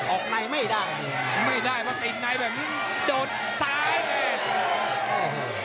ออกในไม่ได้ไม่ได้เพราะติดในแบบนี้มันโดดซ้ายเลย